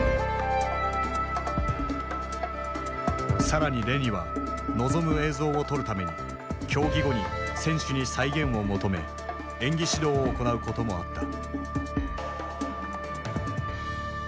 更にレニは望む映像を撮るために競技後に選手に再現を求め演技指導を行うこともあった。